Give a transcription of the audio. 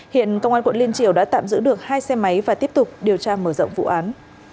hiện công an quận liên triều đã tạm giữ được hai xe máy và tiếp tục điều tra mở rộng vụ án